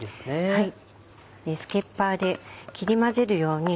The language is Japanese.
はい。